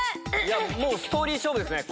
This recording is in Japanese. もうストーリー勝負ですね。